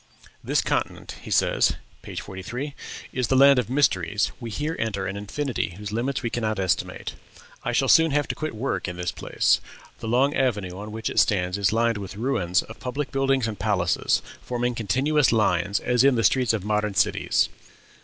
"This continent," he says (page 43), "is the land of mysteries; we here enter an infinity whose limits we cannot estimate.... I shall soon have to quit work in this place. The long avenue on which it stands is lined with ruins of public buildings and palaces, forming continuous lines, as in the streets of modern cities.